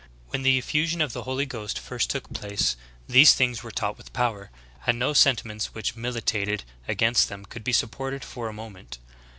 When the effusion of the Holy Ghost first took place, these things were taught with power; and no sentiments which militated against them could be supported for a mo ment.